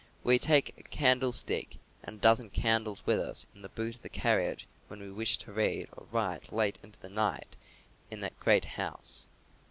We take a candlestick and a dozen candles with us in the boot of the carriage when we wish to read or write late into the night in that great house.